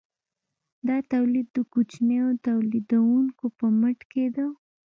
دا تولید د کوچنیو تولیدونکو په مټ کیده.